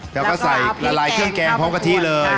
แล้วก็ใส่ละลายเครื่องแกงพร้อมกะทิเลย